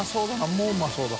もううまそうだ。